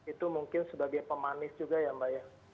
itu mungkin sebagai pemanis juga ya mbak ya